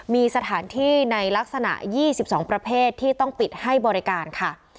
มีสถานที่ในลักษณะ๒๒ประเภทที่ต้องปิดให้บริการค่ะ